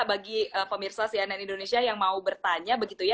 bagi pemirsa cnn indonesia yang mau bertanya